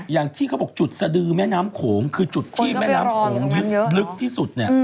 อย่างที่เขาบอกจุดสดือแม่น้ำโขงคือจุดที่แม่น้ำโขงลึกที่สุดเนี่ย